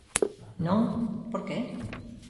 Non, ¿por que?